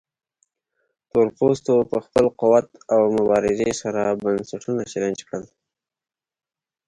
تورپوستو په خپل قوت او مبارزې سره بنسټونه چلنج کړل.